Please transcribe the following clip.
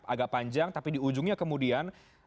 agak panjang tapi di ujungnya kemudian